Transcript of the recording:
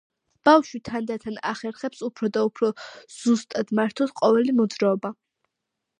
ბავშვი თანდათან ახერხებს უფრო და უფრო ზუსტად მართოს ყოველი მოძრაობა.